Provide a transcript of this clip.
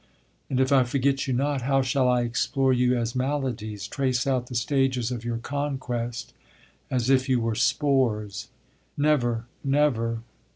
And if I forget you not, how shall I explore you as maladies, trace out the stages of your conquest as if you were spores? Never, never.